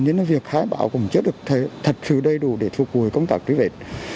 nên là việc khai bão cũng chưa được thật sự đầy đủ để thuộc vùi công tác truy vết